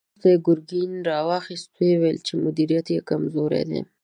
وروسته يې ګرګين را واخيست، ويې ويل چې مديريت يې کمزوری دی.